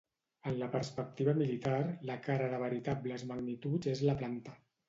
En la perspectiva militar la cara de veritables magnituds és la planta.